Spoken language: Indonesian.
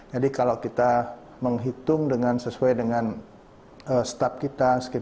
jadi kalau kita menghitung sesuai dengan staff kita